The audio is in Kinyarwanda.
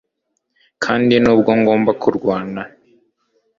kandi nubwo ngomba kurwana